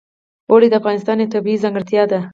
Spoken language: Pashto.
اوړي د افغانستان یوه طبیعي ځانګړتیا ده.